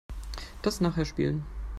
Das nachher spielen.